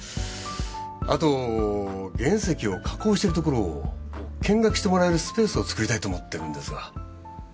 あと原石を加工してるところを見学してもらえるスペースを作りたいと思ってるんですが。